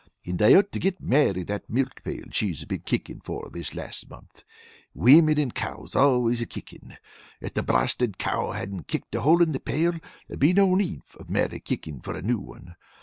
And I ought to get Mary that milk pail she's been kickin' for this last month. Women and cows are always kickin'! If the blarsted cow hadn't kicked a hole in the pail, there'd be no need of Mary kicking for a new one.